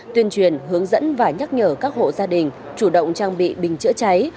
tuyên truyền hướng dẫn và nhắc nhở các hộ gia đình chủ động trang bị bình chữa cháy